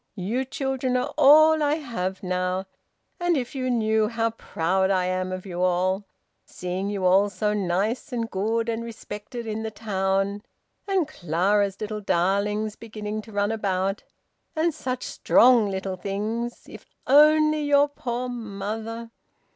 You children are all I have now. And if you knew how proud I am of you all, seeing you all so nice and good, and respected in the town, and Clara's little darlings beginning to run about, and such strong little things. If only your poor mother